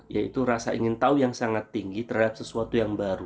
yaitu rasa ingin tahu yang sangat tinggi terhadap sesuatu yang baru